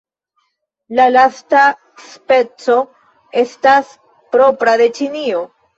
La lasta speco estas propra al Ĉinio.